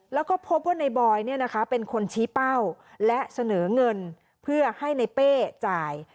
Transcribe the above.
แล้วก็พบว่านายบอยเนี่ยนะคะเป็นคนชี้เป้าและเสนอเงินเพื่อให้นายเป้จ่าย